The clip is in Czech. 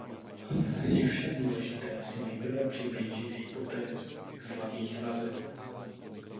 Je však důležité si nejprve přiblížit hypotézu slabých vazeb.